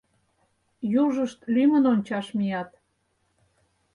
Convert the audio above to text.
Южышт лӱмын ончаш мият.